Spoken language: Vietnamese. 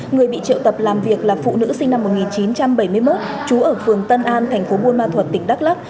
người bị triệu tập làm việc là phụ nữ sinh năm một nghìn chín trăm bảy mươi một trú ở phường tân an thành phố buôn ma thuật tỉnh đắk lắc